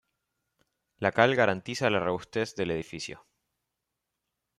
La cal garantiza la robustez del edificio.